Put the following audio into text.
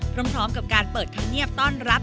พร้อมกับการเปิดธรรมเนียบต้อนรับ